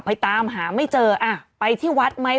ไปตามหาไม่เจออ่ะไปที่วัดไหม